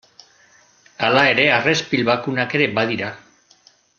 Hala ere, harrespil bakunak ere badira.